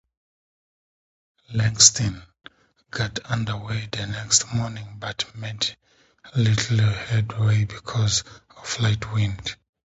"Lexington" got underway the next morning but made little headway because of light wind.